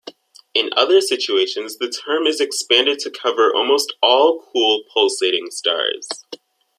In other situations, the term is expanded to cover almost all cool pulsating stars.